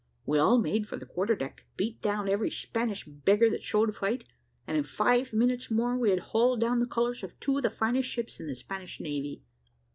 We all made for the quarter deck, beat down every Spanish beggar that showed fight, and in five minutes more we had hauled down the colours of two of the finest ships in the Spanish navy.